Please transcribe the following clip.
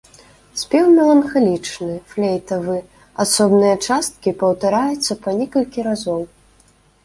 Спеў меланхалічны, флейтавы, асобныя часткі паўтараюцца па некалькі разоў.